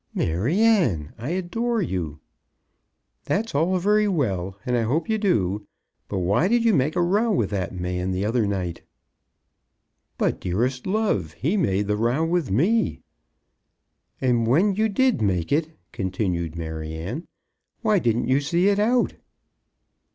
"Maryanne, I adore you." "That's all very well, and I hope you do; but why did you make a row with that man the other night?" "But, dearest love, he made the row with me." "And when you did make it," continued Maryanne, "why didn't you see it out?"